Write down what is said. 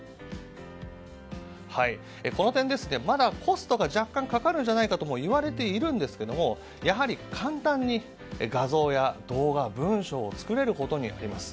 この点、まだコストが若干かかるんじゃないかといわれているんですがやはり、簡単に画像や動画、文章を作れることにあります。